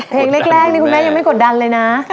เพลงแรกนี่คุณแม่ยังไม่กดดันเลยนะ